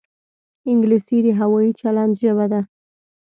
انګلیسي د هوايي چلند ژبه ده